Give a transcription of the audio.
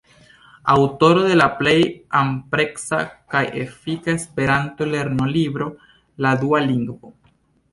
Aŭtoro de la plej ampleksa kaj efika esperanto-lernolibro, "La dua lingvo".